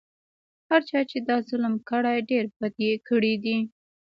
هر چا چې دا ظلم کړی ډېر بد یې کړي دي.